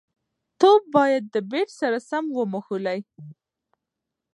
توپ باید د بېټ سره سم وموښلي.